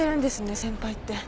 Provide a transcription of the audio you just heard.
先輩って。